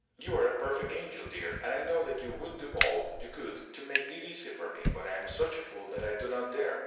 You are a perfect angel, dear, and I know that you would do all you could to make it easy for me, but I am such a fool that I do not dare.